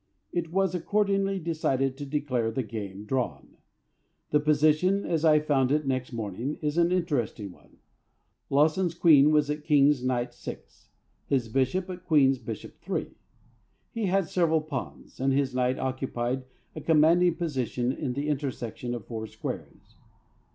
It was accordingly decided to declare the game drawn. The position, as I found it next morning, is an interesting one. Lowson's Queen was at K Kt 6, his Bishop at Q B 3, he had several Pawns, and his Knight occupied a commanding position at the intersection of four squares.